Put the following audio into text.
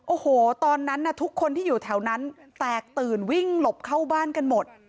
โอ้โหตอนนั้นทุกคนที่อยู่แถวนั้นแตกตื่นวิ่งหลบเข้าบ้านกันหมด